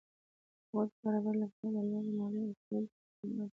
هغوی د برابرۍ له پاره د لوړې مالیې ورکولو ته تیار نه دي.